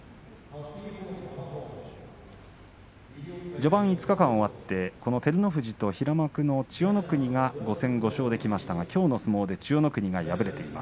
序盤５日間を終わって照ノ富士と平幕の千代の国が５戦５勝できましたが、きょうの相撲で千代の国が敗れています。